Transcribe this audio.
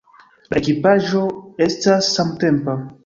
La ekipaĵo estas samtempa.